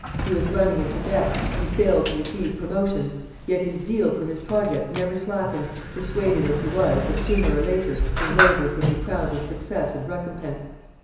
He was running into debt, he failed to receive promotions. Yet his zeal for his project never slackened, persuaded as he was that sooner or later his labours would be crowned with success and recompense.